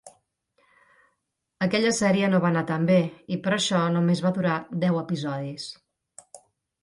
Aquella sèrie no va anar tan bé i per això només va durar deu episodis.